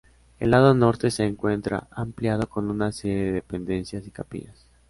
El lado norte se encuentra ampliado con una serie de dependencias y capillas.